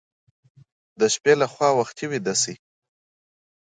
د شپې لخوا وختي ویده شئ.